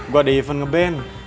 gue ada event ngeband